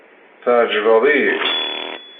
Tɛeǧbeḍ-yi.